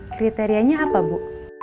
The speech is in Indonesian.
kriterianya apa bu